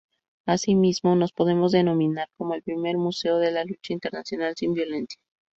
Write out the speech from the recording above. Asimismo, nos podemos denominar como el primer museo de la lucha internacional sin violencia.